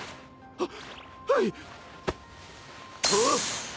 はっ！？